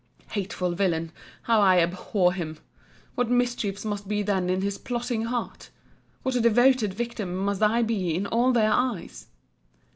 Hateful villain! how I abhor him!—What mischief must be then in his plotting heart!—What a devoted victim must I be in all their eyes!